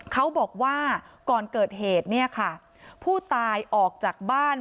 เขาบอกว่าก่อนเกิดเหตุเนี่ยค่ะผู้ตายออกจากบ้าน